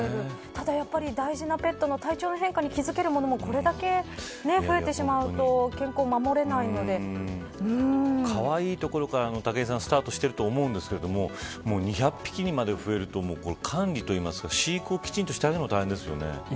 ただ、大事なペットの体調の変化に気付けるのもこれだけ増えてしまうと健康をかわいいところからスタートしていると思うんですけれども２００匹にまで増えると管理というか、飼育をきちんとしてあげるのが大変ですよね。